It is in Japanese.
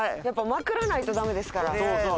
やっぱまくらないとダメですから。